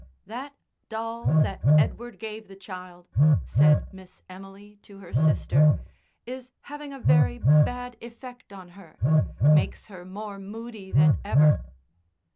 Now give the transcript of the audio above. "That doll that Edward gave the child," said Miss Emily to her sister, "is having a very bad effect on her. Makes her more moody than ever."